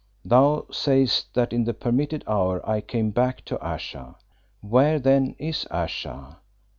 Thou sayest that in the permitted hour I came back to Ayesha. Where then is Ayesha?